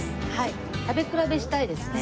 食べ比べしたいですね。